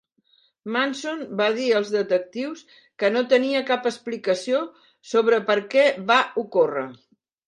Manson va dir als detectius que no tenia cap explicació sobre per què va ocórrer.